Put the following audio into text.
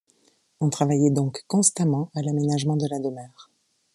On travaillait donc constamment à l’aménagement de la demeure.